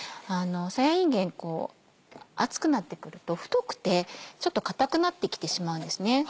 さやいんげん暑くなってくると太くてちょっと硬くなってきてしまうんですね。